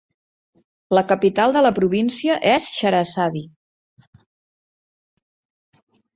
La capital de la província és Charazani.